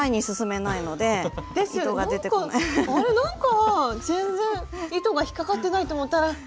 なんかあれなんか全然糸が引っ掛かってないと思ったら。